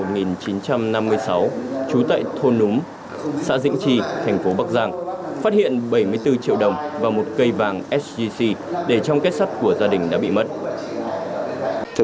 trú tại thôn núng xã dĩnh trì thành phố bắc giang phát hiện bảy mươi bốn triệu đồng và một cây vàng sgc để trong kết sắt của gia đình đã bị mất